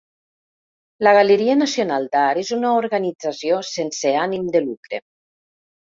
La Galeria Nacional d'Art és una organització sense ànim de lucre.